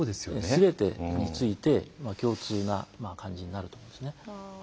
すべてについて共通な感じになると思うんですね。